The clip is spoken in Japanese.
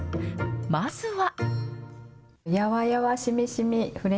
まずは。